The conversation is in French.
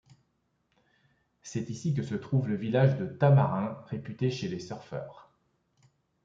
C'est ici que se trouve le village de Tamarin réputé chez les surfeurs.